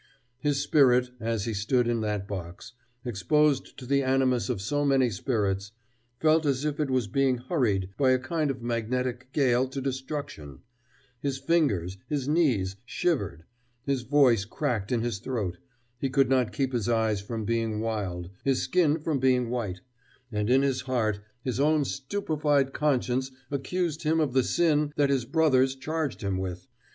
His spirit, as he stood in that box, exposed to the animus of so many spirits, felt as if it was being hurried by a kind of magnetic gale to destruction; his fingers, his knees shivered, his voice cracked in his throat; he could not keep his eyes from being wild, his skin from being white, and in his heart his own stupefied conscience accused him of the sin that his brothers charged him with.